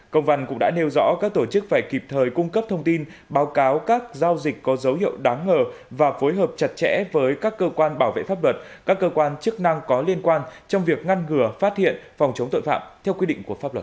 công văn cũng đã nêu rõ các tổ chức phải kịp thời cung cấp thông tin báo cáo các giao dịch có dấu hiệu đáng ngờ và phối hợp chặt chẽ với các cơ quan bảo vệ pháp luật các cơ quan chức năng có liên quan trong việc ngăn ngừa phát hiện phòng chống tội phạm theo quy định của pháp luật